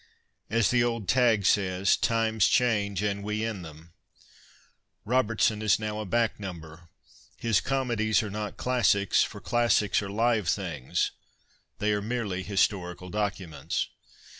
As the old tag says, times change and we in them. Robertson is now a " back number." His comedies are not classics, for classics are live things ; they are merely historical documents.